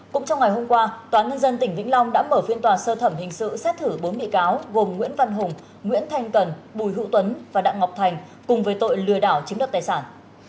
cũng trong ngày hôm qua tòa nhân dân tỉnh vĩnh long đã mở phiên tòa sơ thẩm hình sự xét thử bốn bị cáo gồm nguyễn văn hùng nguyễn thanh cần bùi hữu tuấn và đặng ngọc thành cùng với tội lừa đảo chiếm đất tài sản